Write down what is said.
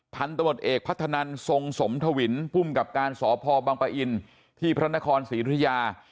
พันธมตเอกพัฒนันทรงสมทวินภูมิกับการสพบังปะอินที่พระนครศรีธุยา